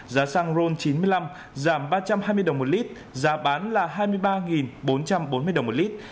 giá xăng ron chín mươi năm giảm ba trăm hai mươi đồng một lít giá bán là hai mươi ba bốn trăm bốn mươi đồng một lít